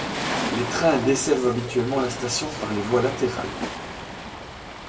Les trains desservent habituellement la station par les voies latérales.